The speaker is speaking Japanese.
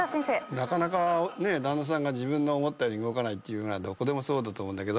なかなか旦那さんが自分の思ったように動かないってどこでもそうだと思うんだけど。